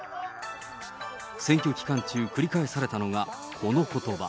選挙期間中、繰り返されたのがこのことば。